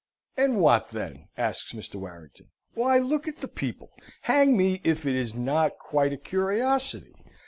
"And what then?" asks Mr. Warrington. "Why, look at the people! Hang me, if it is not quite a curiosity!